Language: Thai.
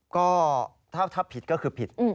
ก็ถ้าผิดก็คือผิด